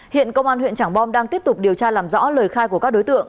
hiện công an huyện trảng bom đang tiếp tục điều tra làm rõ lời khai của các đối tượng